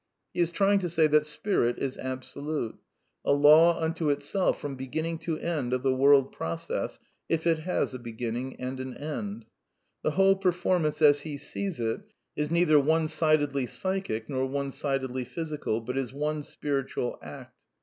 He is trying to say at Spirit is absolute, a law unto itself from beginning to end of the world process (if it has a beginning and an end). The whole performance, as he sees it, is neither one sidedly psychic nor one sidedly physical, but is one spiritual act.